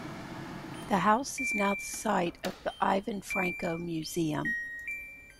The house is now the site of the Ivan Franko Museum.